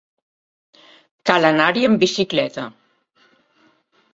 Cal anar-hi amb bicicleta.